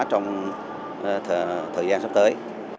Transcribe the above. thời gian sắp tới